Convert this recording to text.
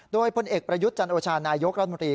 โดยพลเอกประยุทธ์จันโอชานายกรัฐมนตรี